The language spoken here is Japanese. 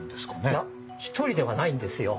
いや１人ではないんですよ。